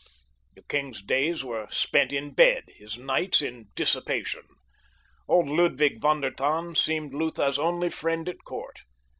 The king's days were spent in bed; his nights in dissipation. Old Ludwig von der Tann seemed Lutha's only friend at court.